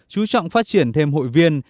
chú trọng phát triển thêm hội viên